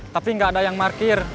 tapi gak ada yang markir